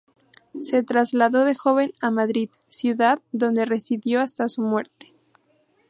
Se trasladó de joven a Madrid, ciudad donde residió hasta su muerte.